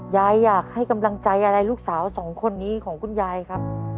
อยากให้กำลังใจอะไรลูกสาวสองคนนี้ของคุณยายครับ